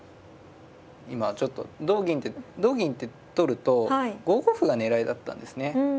今ちょっと同銀って取ると５五歩が狙いだったんですね。